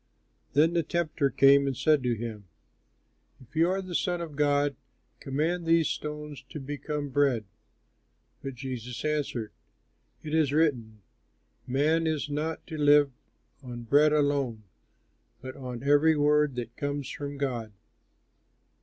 Then the tempter came and said to him, "If you are the Son of God, command these stones to become bread." But Jesus answered, "It is written, "'Man is not to live on bread alone, But on every word that comes from God.'"